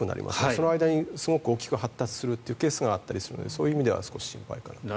その間にすごく大きく発達するというケースがあったりするのでそういう意味では少し心配かなと。